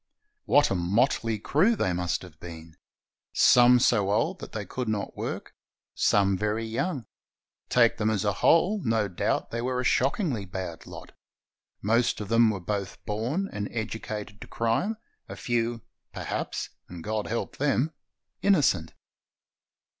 What a motley crew they must have been! Some so old that they could not work, some very young. Take them as a whole, no doubt they were a shockingly bad lot. Most of them were both born and educated to crime, a few, perhaps — and God help them !— inno cent.